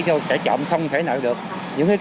để các em không phải gián đoạn việc học